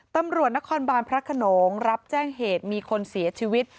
ตำรวจนครบานพระขนงรับแจ้งเหตุมีคนเสียชีวิต